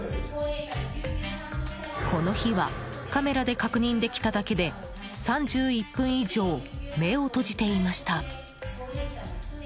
この日はカメラで確認できただけで３１分以上、目を閉じていました。